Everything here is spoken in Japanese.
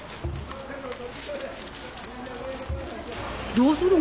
どうするん？